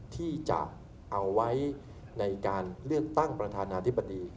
ที่จะเอาไว้ในการเลือกตั้งประธานาธิบดี